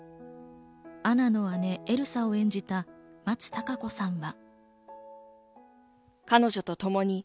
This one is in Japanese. アナの姉・エルサを演じた松たか子さんは。